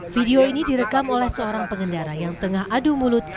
video ini direkam oleh seorang pengendara yang tengah adu mulut